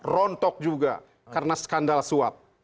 rontok juga karena skandal suap